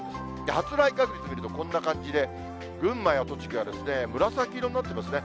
発雷確率見ると、こんな感じで、群馬や栃木が紫色になっていますね。